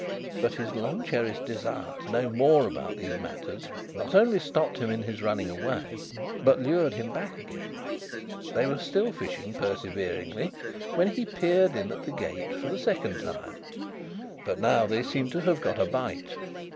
But, his long cherished desire to know more about these matters, not only stopped him in his running away, but lured him back again. They were still fishing perseveringly, when he peeped in at the gate for the second time; but, now they seemed to have got a bite.